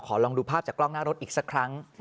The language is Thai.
ลองดูภาพจากกล้องหน้ารถอีกสักครั้ง